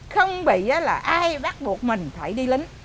không bị là ai bắt buộc mình phải đi lính